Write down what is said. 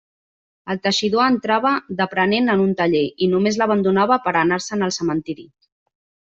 El teixidor entrava d'aprenent en un taller, i només l'abandonava per a anar-se'n al cementeri.